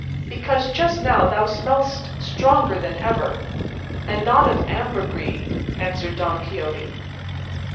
"Because just now thou smellest stronger than ever, and not of ambergris," answered Don Quixote.